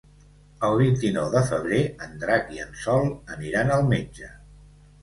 El vint-i-nou de febrer en Drac i en Sol aniran al metge.